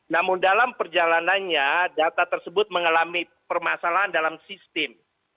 namun dalam perjalanannya data tersebut mengalami permasalahan dalam sistem